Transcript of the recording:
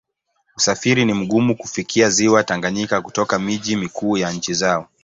Usafiri ni mgumu kufikia Ziwa Tanganyika kutoka miji mikuu ya nchi zao.